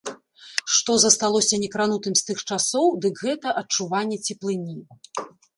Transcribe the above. Што засталося некранутым з тых часоў, дык гэта адчуванне цеплыні.